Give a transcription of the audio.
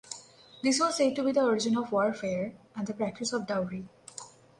This was said to be the origin of warfare and the practice of dowry.